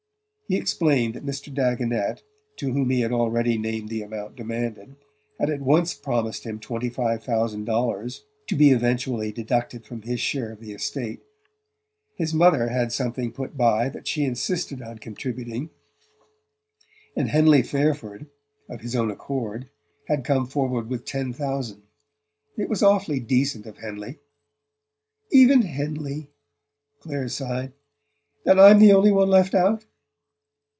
He explained that Mr. Dagonet, to whom he had already named the amount demanded, had at once promised him twenty five thousand dollars, to be eventually deducted from his share of the estate. His mother had something put by that she insisted on contributing; and Henley Fairford, of his own accord, had come forward with ten thousand: it was awfully decent of Henley... "Even Henley!" Clare sighed. "Then I'm the only one left out?"